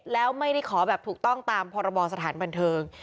แล้วไม่ได้ขอแบบถูกต้องตามพรบสถานบันเทิง